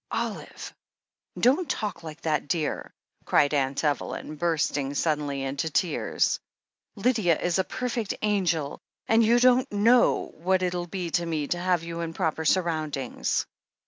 "Olive ! Don't talk like that, dear," cried Aunt Eve lyn, bursting suddenly into tears. "Lydia is a perfect angel, and you don't know what it'll be to me to have you in proper surroundings."